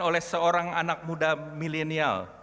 oleh seorang anak muda milenial